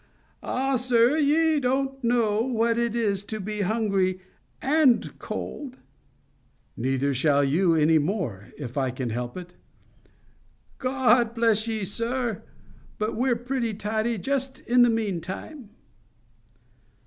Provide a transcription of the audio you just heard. "Ah, sir, ye don't know what it is to be hungry AND cold." "Neither shall you any more, if I can help it." "God bless ye, sir. But we're pretty tidy just in the meantime."